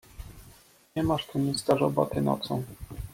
"Nie masz tu nic do roboty nocą."